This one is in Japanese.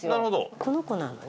この子なのね。